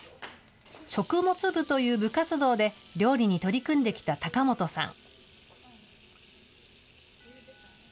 食物部という部活動で料理に取り組んできた高本さん。